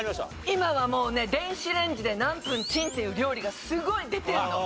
今はもうね電子レンジで何分チンっていう料理がすごい出てるの！